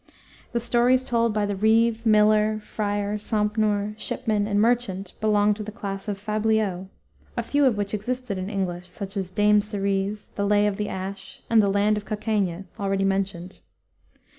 The stories told by the reeve, miller, friar, sompnour, shipman, and merchant, belong to the class of fabliaux, a few of which existed in English, such as Dame Siriz, the Lay of the Ash, and the Land of Cokaygne, already mentioned.